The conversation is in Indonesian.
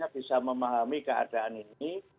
bisa memahami keadaan ini